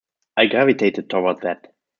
I gravitated toward that.